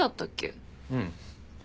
うん。